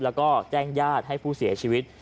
แล้วก็แจ้งญาติให้ผู้เสียชีวิต